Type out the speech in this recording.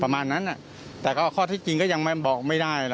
ประมาณนั้นแต่ก็ข้อที่จริงก็ยังบอกไม่ได้